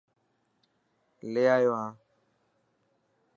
لي آيو هان.